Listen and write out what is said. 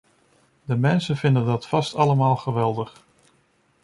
Die mensen vinden dat vast helemaal geweldig!